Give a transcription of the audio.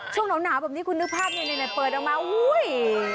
ช่วงเหล่าน้ำหนาวเป็นคุณภาพในในพื้นตาป๋อดออกมาหู้ย